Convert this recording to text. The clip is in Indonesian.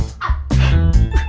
bukan karena harta